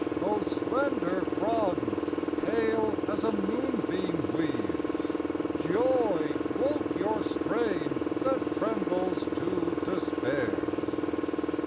O slender fronds, pale as a moonbeam weaves, Joy woke your strain that trembles to despair!